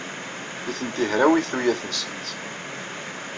Nitenti hrawit tuyat-nsent.